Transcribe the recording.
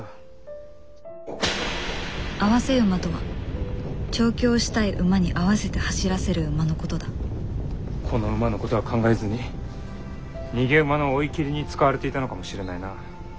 併せ馬とは調教したい馬に併せて走らせる馬のことだこの馬のことは考えずに逃げ馬の追い切りに使われていたのかもしれないな。